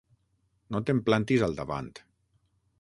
No te'm plantis al davant.